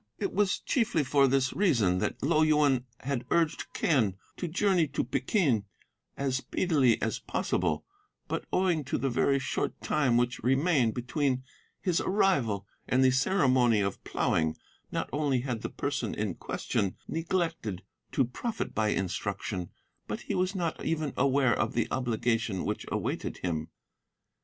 It was chiefly for this reason that Lo Yuen had urged Quen to journey to Peking as speedily as possible, but owing to the very short time which remained between his arrival and the ceremony of ploughing, not only had the person in question neglected to profit by instruction, but he was not even aware of the obligation which awaited him.